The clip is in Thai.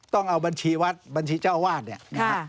ต้องเอาบัญชีวัดบัญชีเจ้าวาดนี่นะครับ